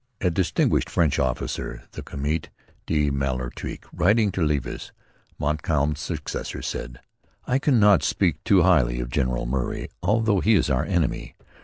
A distinguished French officer, the Comte de Malartic, writing to Levis, Montcalm's successor, said: 'I cannot speak too highly of General Murray, although he is our enemy.'